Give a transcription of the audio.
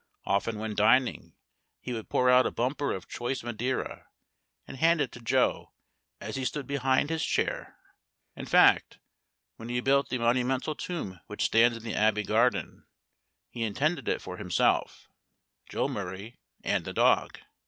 Often when dining, he would pour out a bumper of choice Madeira, and hand it to Joe as he stood behind his chair. In fact, when he built the monumental tomb which stands in the Abbey garden, he intended it for himself, Joe Murray, and the dog.